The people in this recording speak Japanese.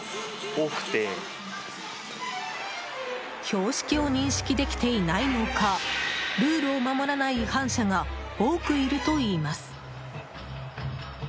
標識を認識できていないのかルールを守らない違反車が多くいるといいます。